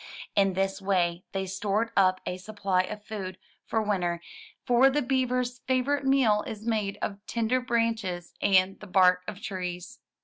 In this way they stored up a supply of food for winter, for the beaver's favorite meal is made of tender branches and the bark of trees.